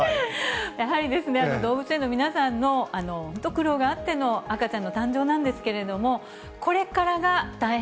やはり、動物園の皆さんの本当、苦労があっての赤ちゃんの誕生なんですけれども、これからが大変